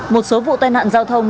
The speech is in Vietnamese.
một số vụ tai nạn giao thông